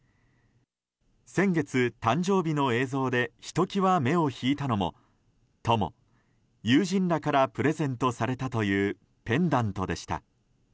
先月、誕生日の映像でひときわ目を引いたのも「友」、友人らからプレゼントされたというペンダントでした。